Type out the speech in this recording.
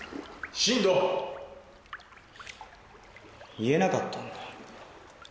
言えなかったんだよ。